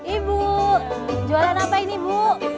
ibu jualan apa ini bu